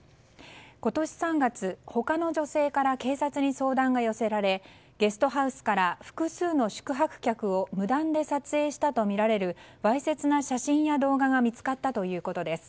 今年３月、他の女性から警察に相談が寄せられゲストハウスから複数の宿泊客を無断で撮影したとみられるわいせつな写真や動画が見つかったということです。